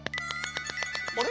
あれ？